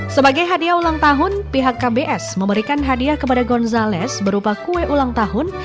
sebagai hadiah ulang tahun pihak kbs memberikan hadiah kepada gonzales berupa kue ulang tahun